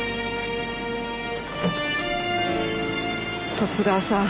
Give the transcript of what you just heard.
十津川さん。